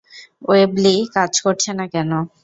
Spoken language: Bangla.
ওয়েবলি কাজ করছে না কেন?